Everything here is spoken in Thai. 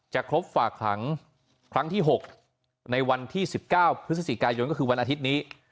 จะครบฝากถังครั้งที่หกในวันที่สิบเก้าพฤษศิกายนก็คือวันอาทิตย์นี้